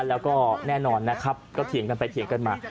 แล้วก็แน่นอนนะครับก็เถียงกันไปเถียงกันมา